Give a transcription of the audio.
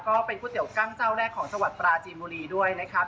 ก็เป็นก๋วยเตี๋ยวกั้งเจ้าแรกของจังหวัดปราจีนบุรีด้วยนะครับ